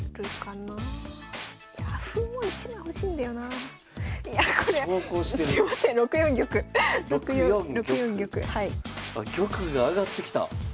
あ玉が上がってきた。